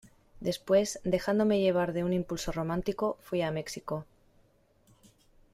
después, dejándome llevar de un impulso romántico , fuí a México.